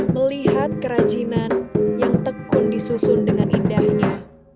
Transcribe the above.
melihat kerajinan yang tekun disusun dengan indahnya